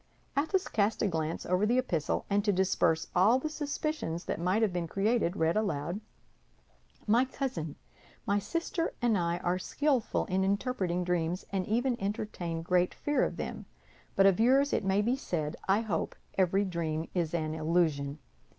Athos cast a glance over the epistle, and to disperse all the suspicions that might have been created, read aloud: "MY COUSIN, My sister and I are skillful in interpreting dreams, and even entertain great fear of them; but of yours it may be said, I hope, every dream is an illusion.